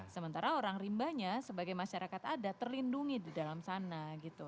sementara orang rimbanya sebagai masyarakat adat terlindungi di dalam sana gitu